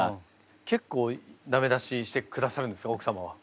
結構ダメ出ししてくださるんですね奥様は。